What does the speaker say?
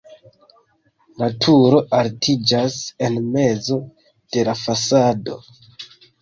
La turo altiĝas en mezo de la fasado.